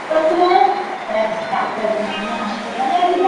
Surveyor নিয়ে দখল করতে গেলে প্রতিপক্ষের লোকজন আমাদের ওপর হামলা চালান।